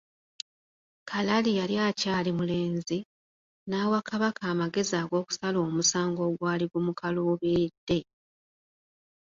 Kalali yali akyali mulenzi, n'awa Kabaka amagezi ag'okusala omusango ogwali gumukaluubiridde.